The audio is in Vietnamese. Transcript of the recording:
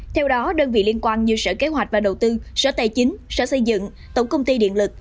theo đó đơn vị liên quan như sở kế hoạch và đầu tư sở tài chính sở xây dựng tổng công ty điện lực